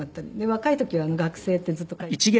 若い時は学生ってずっと書いていて。